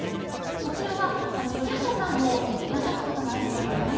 こちらは池畑さんもなさったことがあるそうですね。